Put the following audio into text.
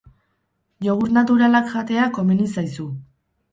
Jogurt naturalak jatea komeni zaizu.